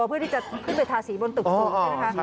เพื่อที่จะขึ้นไปทาสีบนตึกสูงเนี่ยนะคะ